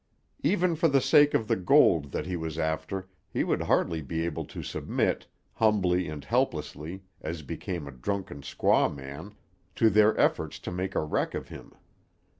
Even for the sake of the gold that he was after he would hardly be able to submit, humbly and helplessly as became a drunken squaw man, to their efforts to make a wreck of him.